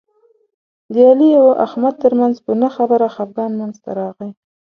د علي او احمد ترمنځ په نه خبره خپګان منځ ته راغی.